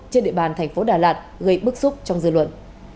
trên địa bàn thành phố đà lạt gây bức xúc trong dư luận